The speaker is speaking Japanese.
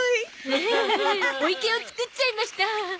エヘヘお池を作っちゃいました。